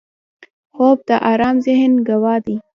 خوب د آرام ذهن ګواه دی